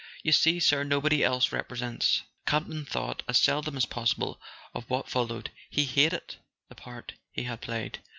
"You see, sir, nobody else represents.. Campton thought as seldom as possible of what followed: he hated the part he had played.